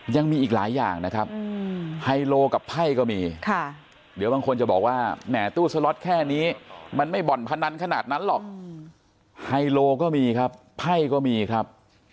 ยังมีอีกหลายอย่างนะครับไฮโลกับไพ่ก็มีค่ะเดี๋ยวบางคนจะบอกว่าแหมตู้สล็อตแค่นี้มันไม่บ่อนพนันขนาดนั้นหรอกไฮโลก็มีครับไพ่ก็มีครับ